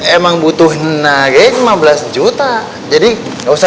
emang butuh lima belas juta jadi nggak usah tujuh puluh lima